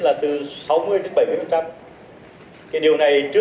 an ninh trật tự